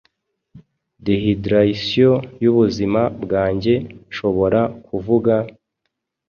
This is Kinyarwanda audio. Dehidration y'ubuzima bwanjye nshobora kuvuga,